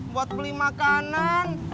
buat beli makanan